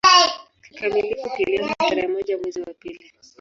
Kikamilifu kilianza tarehe moja mwezi wa pili